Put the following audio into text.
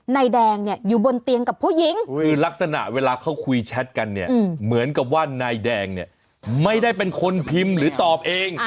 นายแดงเนี่ยอยู่บนเตียงกับผู้หญิงคือลักษณะเวลาเขาคุยแชทกันเนี่ยเหมือนกับว่านายแดงเนี่ยไม่ได้เป็นคนพิมพ์หรือตอบเอง